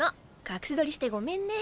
隠し撮りしてごめんね。